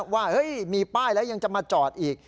ว่ามีป้ายแล้วยังจะมาจอดอีก